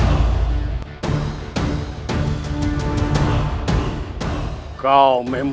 apakah kau tertarik